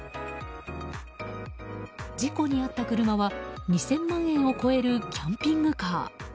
事故に遭った車は２０００万円を超えるキャンピングカー。